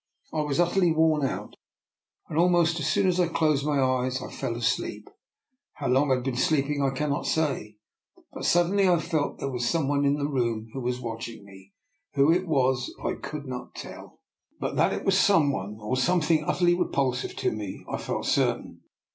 I was utterly worn out, and almost as soon as I closed my eyes I fell asleep. How long I had been sleeping I cannot say, but suddenly I felt there was some one in the room who was watching me: who it was I could not tell, but that it was some one, or something, utterly repulsive to me I fe^t cer tain.